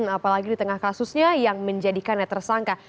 apalagi di tengah kasusnya yang menjadikannya tersangka